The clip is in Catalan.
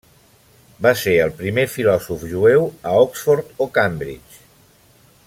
Va ser el primer filòsof jueu a Oxford o Cambridge.